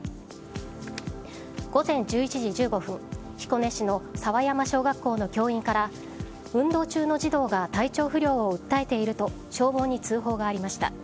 午前１１時１５分彦根市の佐和山小学校の教員から運動中の児童が体調不良を訴えていると消防に通報がありました。